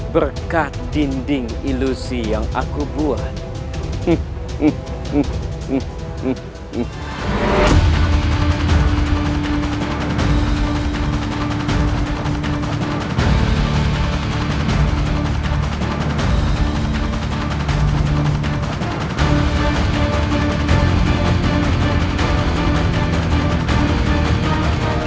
berkat dinding ilusi yang aku buat